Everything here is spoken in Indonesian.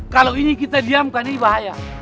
kalau ini kita diam kan ini bahaya